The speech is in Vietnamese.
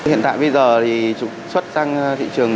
hiện tại bây giờ thì xuất sang thị trường